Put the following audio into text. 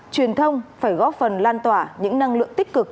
truyền thông phải góp phần lan tỏa những năng lượng tích cực